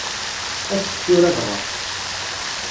As-d tura dɣa.